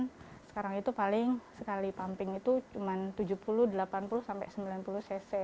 itu produksinya menurun sekarang itu paling sekali pumping itu cuman tujuh puluh delapan puluh sampai sembilan puluh cc